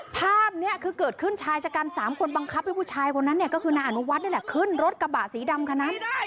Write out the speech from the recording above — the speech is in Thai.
ภาพนี้คือเกิดขึ้นชายชะกัน๓คนบังคับให้ผู้ชายคนนั้นเนี่ยก็คือนายอนุวัฒน์นี่แหละขึ้นรถกระบะสีดำคนนั้น